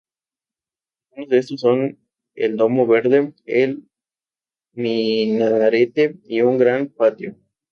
Algunos de estos son el domo verde, el minarete y un gran patio.